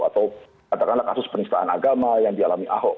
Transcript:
atau katakanlah kasus penistaan agama yang dialami ahok